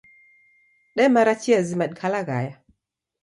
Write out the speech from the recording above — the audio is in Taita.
Demara chia zima dikalaghaya